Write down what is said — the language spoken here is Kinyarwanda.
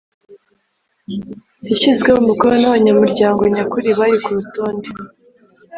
Yshyizweho umukono n’abanyamuryango nyakuri bari ku rutonde